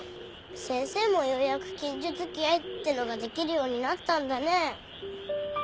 先生もようやく近所付き合いってのができるようになったんだねぇ。